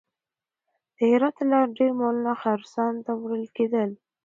د هرات له لارې ډېر مالونه خراسان ته وړل کېدل.